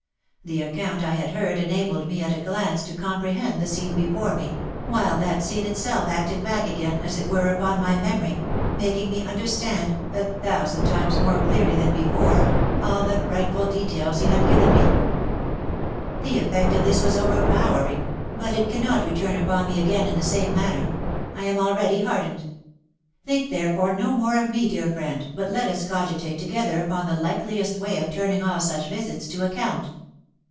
The account I had heard enabled me at a glance to comprehend the scene before me, while that scene itself acted back again, as it were, upon my memory, making me understand, a thousand times more clearly than before, all the frightful details he had given me. The effect of this was overpowering, but it w^mm OF MICHAEL ARMSTRONG. 239 cannot return upon me again in the same manner; I am already hardened. Think therefore no more of me, dear friend, but let us cogitate together upon the likeliest way of turning all such visits to account."